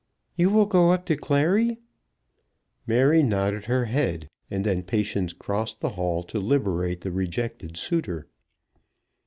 "You will go up to Clary?" Mary nodded her head, and then Patience crossed the hall to liberate the rejected suitor.